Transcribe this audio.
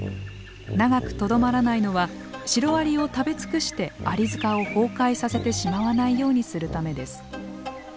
長くとどまらないのはシロアリを食べ尽くしてアリ塚を崩壊させてしまわないようにするためです。